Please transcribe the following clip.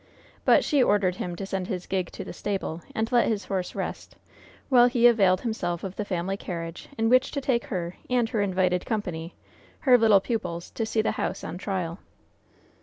But she ordered him to send his gig to the stable, and let his horse rest, while he availed himself of the family carriage in which to take her and her invited company, her little pupils, to see the house on trial.